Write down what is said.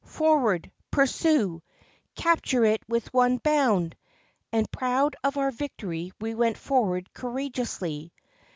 Forward! Pursue! Capture it with one bound!" And, proud of our victory, we went forward courageously.